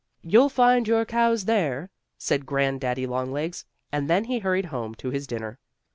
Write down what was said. "You'll find your cows there," said grand daddy longlegs, and then he hurried home to his dinner.